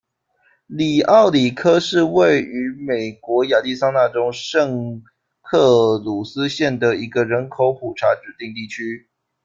里奥里科是位于美国亚利桑那州圣克鲁斯县的一个人口普查指定地区。